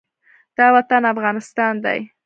دا وطن افغانستان دی